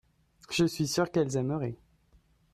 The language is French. je suis sûr qu'elles aimeraient.